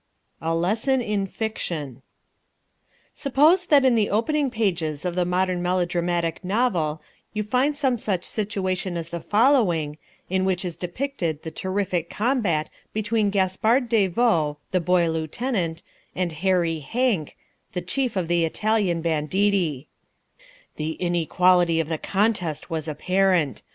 A Lesson in Fiction Suppose that in the opening pages of the modern melodramatic novel you find some such situation as the following, in which is depicted the terrific combat between Gaspard de Vaux, the boy lieutenant, and Hairy Hank, the chief of the Italian banditti: "The inequality of the contest was apparent.